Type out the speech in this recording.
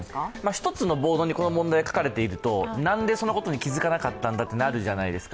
１つのボードにこの問題が書かれているとなんでそのことに気づかなかったんだとなるじゃないですか。